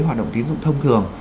hoạt động tiến dụng thông thường